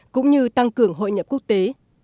cũng như tăng cường hội nhập quốc tế